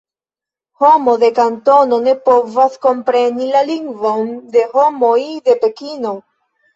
Homo de Kantono ne povas kompreni la lingvon de homoj de Pekino.